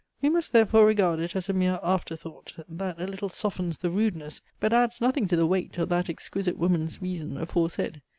We must therefore regard it as a mere after thought, that a little softens the rudeness, but adds nothing to the weight, of that exquisite woman's reason aforesaid.